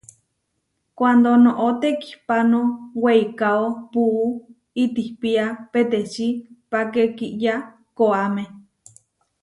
Kuándo noʼó tekihpáno weikáo, puú itihpía peteči páke kiyá koʼáme.